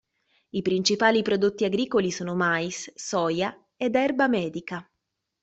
I principali prodotti agricoli sono mais, soia ed erba medica.